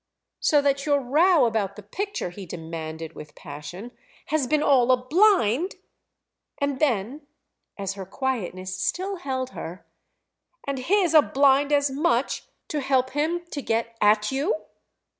"So that your row about the picture," he demanded with passion, "has been all a blind?" And then as her quietness still held her: "And his a blind as much—to help him to get at you?"